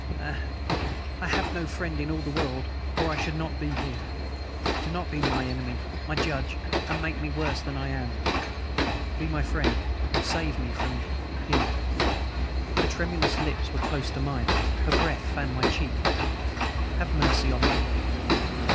Ah, I have no friend in all the world, or I should not be here. Do not be my enemy, my judge, and make me worse than I am; be my friend, and save me from HIM." The tremulous lips were close to mine, her breath fanned my cheek. "Have mercy on me."